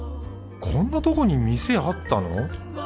こんなとこに店あったの？